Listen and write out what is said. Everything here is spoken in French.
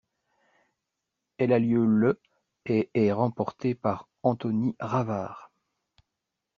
Elle a lieu le et est remportée par Anthony Ravard.